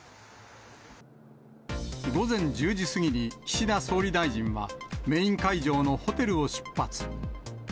午前１０時過ぎに、岸田総理大臣は、メイン会場のホテルを出発。